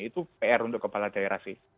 itu pr untuk kepala daerah sih